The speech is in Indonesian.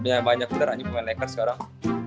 banyak banyak nanti pake lakers sekarang